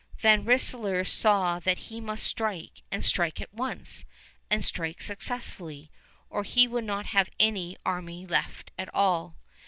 Van Rensselaer saw that he must strike, and strike at once, and strike successfully, or he would not have any army left at all.